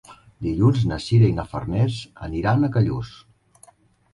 Dilluns na Sira i na Farners aniran a Callús.